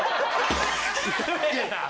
失礼な！